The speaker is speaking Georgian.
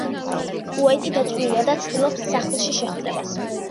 უაიტი დაჭრილია და ცდილობს სახლში შეღწევას.